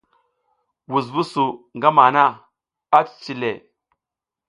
Wusnu su ngama hana a cici le.